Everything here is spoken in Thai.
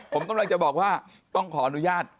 ผมกำลังจะบอกว่าต้องขออนุญาต